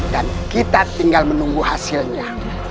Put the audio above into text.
dan kita tinggal menunggu hasilnya